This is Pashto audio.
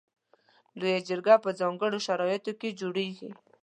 لویه جرګه په ځانګړو شرایطو کې جوړیږي.